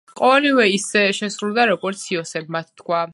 ყოველივე ისე შესრულდა, როგორც იოსებმა თქვა.